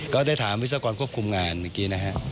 ก็ได้ถามวิศกรควบคุมงานเมื่อกี้นะฮะ